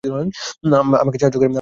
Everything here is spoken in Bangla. আমাকে সাহায্য করছেন কেন আপনারা?